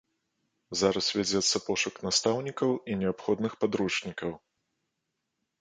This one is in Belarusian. Зараз вядзецца пошук настаўнікаў і неабходных падручнікаў.